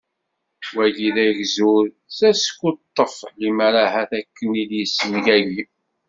Wagi d agzul d askuṭṭef, limer ahat ad ken-id-yessemgagi.